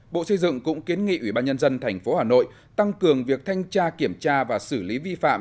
bộ xây dựng cũng kiến nghị ủy ban nhân dân tp hà nội tăng cường việc thanh tra kiểm tra và xử lý vi phạm